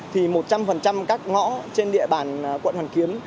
thì một trăm linh các ngõ trên địa bàn quận hoàn kiếm